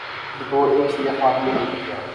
بطور ایک شیعہ فاطمی خلیفہ